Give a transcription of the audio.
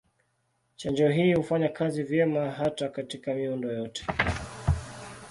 Chanjo hii hufanya kazi vyema hata katika miundo yote.